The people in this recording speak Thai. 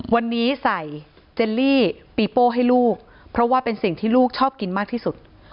วันนี้ใส่เจลลี่ปีโป้ให้ลูกเพราะว่าเป็นสิ่งที่ลูกชอบกินมากที่สุด